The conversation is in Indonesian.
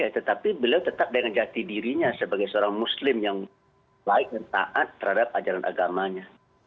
tetapi beliau tetap dengan jati dirinya sebagai seorang muslim yang baik dan taat terhadap ajaran agamanya